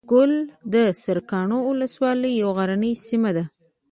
ګنجګل دسرکاڼو ولسوالۍ يو غرنۍ سيمه ده